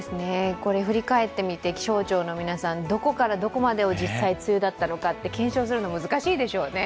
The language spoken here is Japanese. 振り返って見て、気象庁の皆さんどこからどこまでを実際梅雨だったのかって検証するの難しいでしょうね。